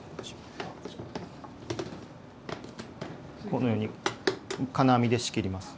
このように金網で仕切ります。